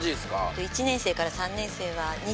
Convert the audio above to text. １年生から３年生は。